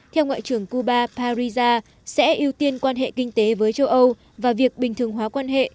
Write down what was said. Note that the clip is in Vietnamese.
theo ngoại trưởng cuba parisa sẽ ưu tiên quan hệ kinh tế với châu âu và việc bình thường hóa quan hệ